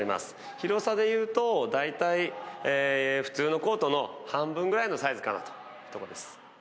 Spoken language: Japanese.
広さでいうと、大体普通のコートの半分ぐらいのサイズかなというところです。